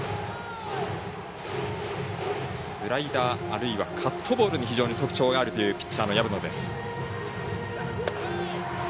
スライダーあるいはカットボールに非常に特徴があるというピッチャーの薮野です。